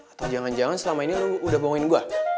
atau jangan jangan selama ini lo udah bohongin gue